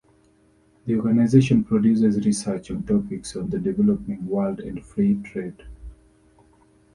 The organisation produces research on topics on the developing world and free trade.